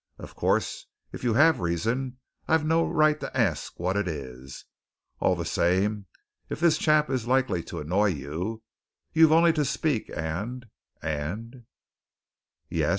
"Of course, if you have reason, I've no right to ask what it is. All the same, if this chap is likely to annoy you, you've only to speak and and " "Yes?"